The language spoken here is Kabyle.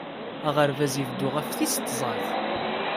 Aɣerbaz ibeddu ɣef tis tẓat.